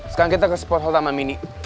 sekarang kita ke sporthol tanah mini